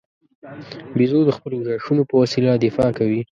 بیزو د خپلو غاښو په وسیله دفاع کوي.